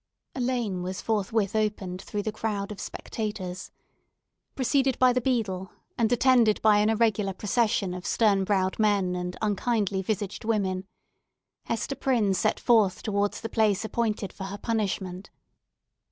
A lane was forthwith opened through the crowd of spectators. Preceded by the beadle, and attended by an irregular procession of stern browed men and unkindly visaged women, Hester Prynne set forth towards the place appointed for her punishment.